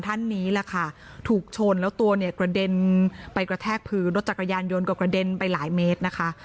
ท่านนี้แหละค่ะถูกชนแล้วตัวเนี่ยกระเด็นไปกระแทกพื้นรถจักรยานยนต์ก็กระเด็นไปหลายเมตรนะคะ